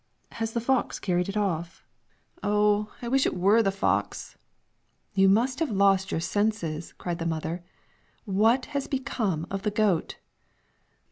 "Has the fox carried it off?" "Oh, I wish it were the fox!" "You must have lost your senses!" cried the mother. "What has become of the goat?"